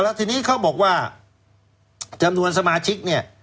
แล้วทีนี้เขาบอกว่าจำนวนสมาชิกเนี่ย